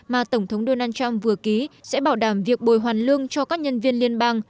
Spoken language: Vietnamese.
mà tổng thống donald trump vừa ký sẽ bảo đảm việc bồi hoàn lương cho các nhân viên liên bang